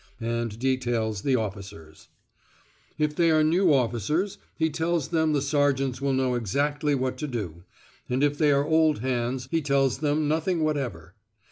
and details the officers; if they are new officers he tells them the sergeants will know exactly what to do, and if they are old hands he tells them nothing whatever.